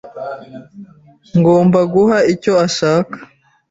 Ngomba guha icyo ashaka.